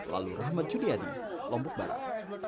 lalu rahmat juniadi lombok barat